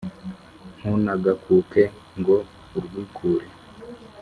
Ntunagakuke ngo urwikure,